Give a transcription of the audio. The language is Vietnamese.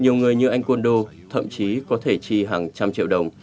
nhiều người như anh kondo thậm chí có thể chi hàng trăm triệu đồng